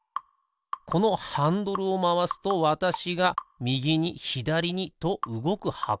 このハンドルをまわすとわたしがみぎにひだりにとうごく箱。